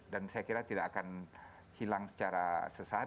dan saya kira tidak akan hilang secara sesaat